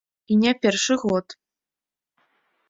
І не першы год.